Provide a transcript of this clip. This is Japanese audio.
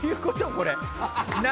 これ。